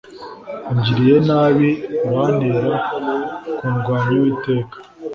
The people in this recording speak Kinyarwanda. ungiriye nabi urantera kundwanya uwiteka